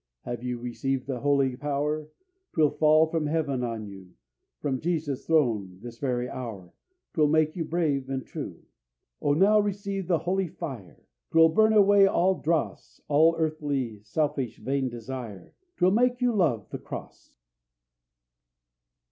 "Have you received the Holy Power? 'Twill fall from Heaven on you, From Jesus' throne this very hour, 'Twill make you brave and true. "Oh, now receive the Holy Fire! 'Twill burn away all dross, All earthly, selfish, vain desire, 'Twill make you love the Cross."